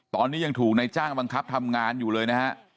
ตอนนี้ถูกนายวงที่บันครับทำงานอยู่เลยนะฮะ